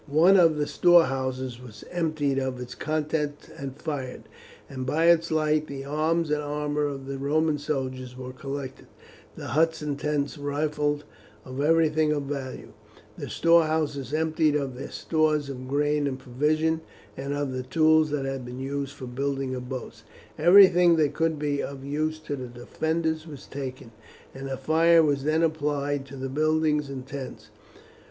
One of the storehouses was emptied of its contents and fired, and by its light the arms and armour of the Roman soldiers were collected, the huts and tents rifled of everything of value, the storehouses emptied of their stores of grain and provisions, and of the tools that had been used for the building of boats. Everything that could be of use to the defenders was taken, and fire was then applied to the buildings and tents.